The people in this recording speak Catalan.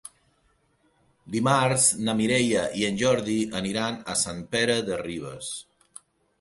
Dimarts na Mireia i en Jordi aniran a Sant Pere de Ribes.